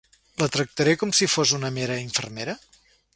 La tractaré com si fos una mera infermera?